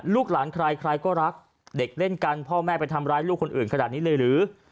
ลูกหลานใครใครก็รักเด็กเล่นกันพ่อแม่ไปทำร้ายลูกคนอื่นขนาดนี้เลยหรือ